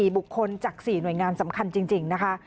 บุคคลจาก๔หน่วยงานสำคัญจริงนะคะ